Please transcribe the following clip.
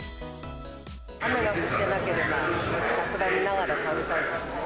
雨が降ってなければ、桜見ながら食べたいですね。